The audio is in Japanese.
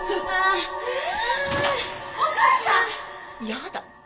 やだ。